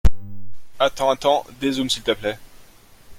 — Attends, attends, dézoome, s’il te plaît!